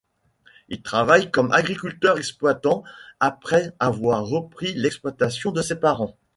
Il travaille comme agriculteur-exploitant après avoir repris l'exploitation de ses parents.